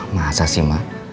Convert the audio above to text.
masa sih mah